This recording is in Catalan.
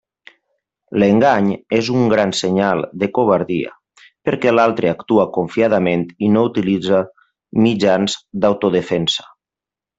L'engany és un gran senyal de covardia, perquè l'altre actua confiadament i no utilitza mitjans d'autodefensa.